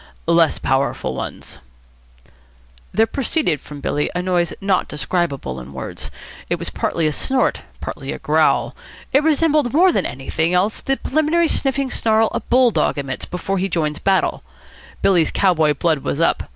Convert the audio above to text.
"Less powerful ones." There proceeded from Billy a noise not describable in words. It was partly a snort, partly a growl. It resembled more than anything else the preliminary sniffing snarl a bull dog emits before he joins battle. Billy's cow boy blood was up.